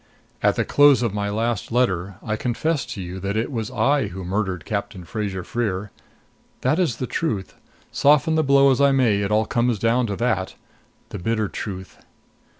At the close of my last letter I confessed to you that it was I who murdered Captain Fraser Freer. That is the truth. Soften the blow as I may, it all comes down to that. The bitter truth!